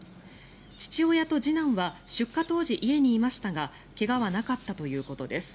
父親と次男は出火当時、家にいましたが怪我はなかったということです。